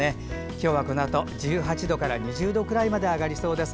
今日はこのあと１８度から２０度くらいまで上がりそうです。